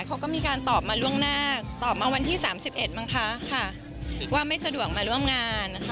เขาก็มีการตอบมาร่วงหน้าตอบมาวันที่๓๑บ้างคะว่าไม่สะดวกมาร่วมงานค่ะ